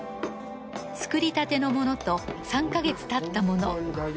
作りたてのものと３カ月経ったもの。